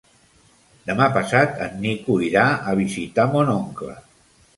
Demà passat en Nico irà a visitar mon oncle.